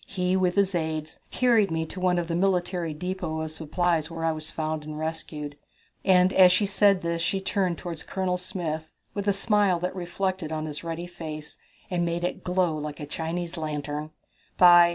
He, with his aides, carried me to one of the military depot of supplies, where I was found and rescued," and as she said this she turned toward Colonel Smith with a smile that reflected on his ruddy face and made it glow like a Chinese lantern. "By